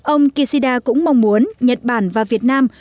ông kishida cũng mong muốn nhật bản và việt nam